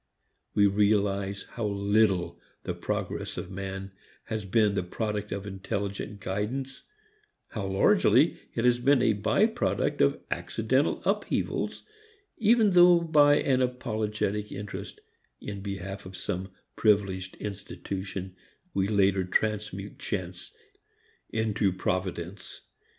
We realize how little the progress of man has been the product of intelligent guidance, how largely it has been a by product of accidental upheavals, even though by an apologetic interest in behalf of some privileged institution we later transmute chance into providence.